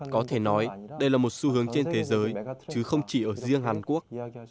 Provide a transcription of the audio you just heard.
có thể nói đây là một xu hướng trên thế giới chứ không chỉ ở riêng hàn quốc